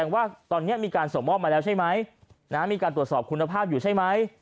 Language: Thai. ว่าตอนนี้มีการส่งมอบมาแล้วใช่ไหมมีการตรวจสอบคุณภาพอยู่ใช่ไหม